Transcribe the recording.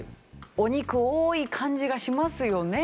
お肉多い感じがしますよね